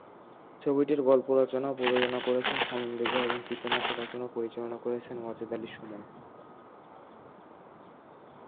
ছবিটির গল্প রচনা ও প্রযোজনা করেছেন শামীম রেজা এবং চিত্রনাট্য রচনা ও পরিচালনা করেছেন ওয়াজেদ আলী সুমন।